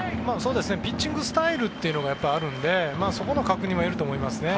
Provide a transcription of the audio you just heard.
ピッチングスタイルというのがあるのでそこの確認はいると思いますね。